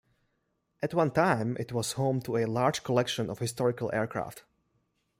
At one time it was home to a large collection of historical aircraft.